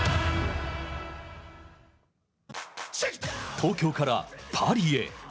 東京からパリへ。